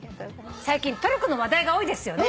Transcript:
最近トルコの話題が多いですよね」